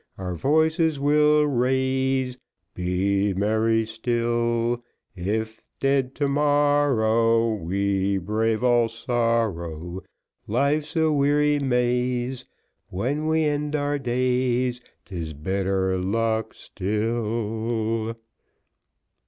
Our voices we'll raise; Be merry still; If dead to morrow, We brave all sorrow. Life's a weary maze When we end our days, 'Tis better luck still.